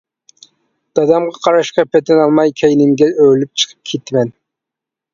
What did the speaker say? دادامغا قاراشقا پېتىنالماي كەينىمگە ئۆرۈلۈپ چىقىپ كېتىمەن.